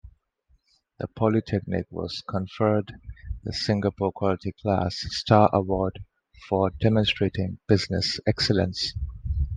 The polytechnic was conferred the Singapore Quality Class Star Award for demonstrating business excellence.